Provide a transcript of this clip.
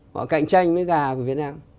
họ cạnh tranh với gà của việt nam